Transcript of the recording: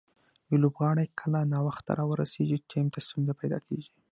یو لوبغاړی کله ناوخته راورسېږي، ټیم ته ستونزه پېدا کیږي.